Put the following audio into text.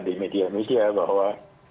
di media media bahwa